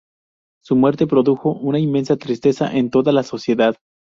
Su muerte produjo una inmensa tristeza en toda la sociedad.